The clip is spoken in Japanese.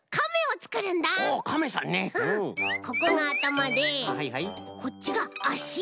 ここがあたまでこっちがあし。